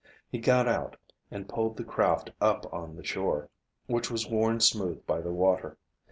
He got out and pulled the craft up on the shore, which was worn smooth by the water.